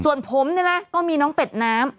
ส่วนผมก็มีน้องเป็ดน้ำ